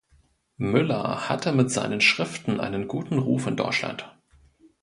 Müller hatte mit seinen Schriften einen guten Ruf in Deutschland.